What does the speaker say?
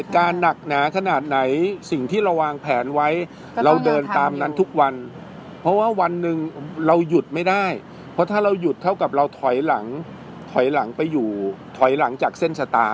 คนไปอ่อหน้าเส้นสตาร์ทเยอะเพราะอะไรเพราะอยากอยู่ข้างหน้า